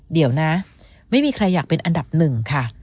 เดี๋ยวนะไม่มีใครอยากเป็นอันดับหนึ่งค่ะ